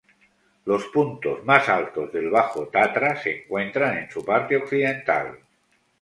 Los puntos más altos del Bajo Tatra se encuentran en su parte occidental.